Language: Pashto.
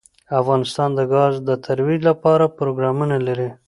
افغانستان د ګاز د ترویج لپاره پروګرامونه لري.